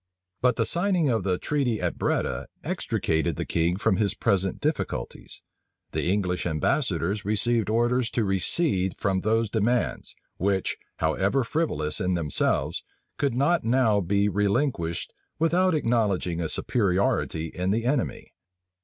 But the signing of the treaty at Breda extricated the king from his present difficulties. The English ambassadors received orders to recede from those demands, which, how ever frivolous in themselves, could not now be relinquished without acknowledging a superiority in the enemy.